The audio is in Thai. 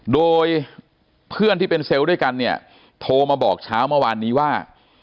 โดยเพื่อนที่เป็นเซลล์ด้วยกันเนี่ยโทรมาบอกเช้าเมื่อวานนี้ว่า